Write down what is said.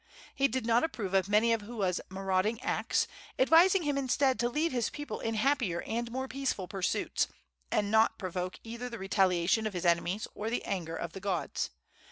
He did not approve of many of Hua's marauding acts, advising him instead to lead his people in happier and more peaceful pursuits, and not provoke either the retaliation of his enemies or the anger of the gods.